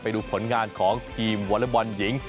ไปดูผลงานของทีมวอเล็กบอลหญิง